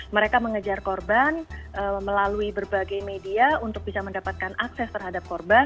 mereka mengejar korban melalui berbagai media untuk bisa mendapatkan akses terhadap korban